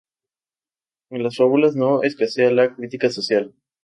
En las fábulas no escasea la crítica social.